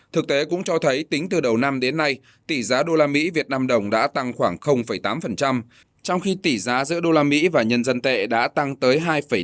thực tế cũng cho thấy tính từ đầu năm đến nay tỷ giá usd vnđ đã tăng khoảng tám trong khi tỷ giá giữa usd và nhân dân tệ đã tăng tới hai năm